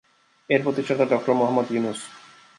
এর প্রতিষ্ঠাতা ডঃ মুহাম্মদ ইউনুস।